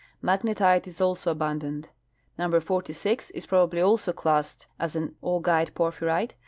Magnetite is also al)undant. Number 46 is probably also classed as an augite porphyrite.